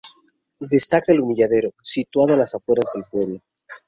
Destaca el Humilladero, situado a las afueras del pueblo.